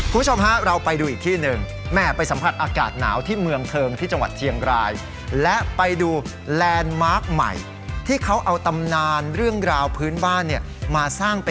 คุณชมฮะเราไปดูอีกที่หนึ่ง